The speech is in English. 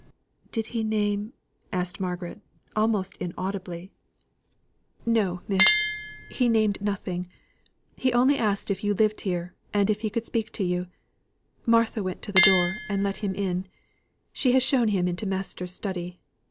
"Did he name " asked Margaret, almost inaudibly. "No, miss; he named nothing. He only asked if you lived here, and if he could speak to you. Martha went to the door, and let him in; she has shown him into master's study.